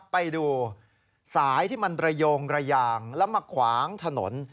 ไปดูสายที่มันระโยงระยางแล้วมาขวางถนน